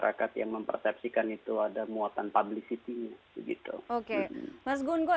ada yang bilang